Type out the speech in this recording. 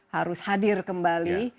harus hadir kembali